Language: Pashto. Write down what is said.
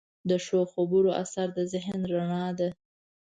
د ښو خبرو اثر د ذهن رڼا ده.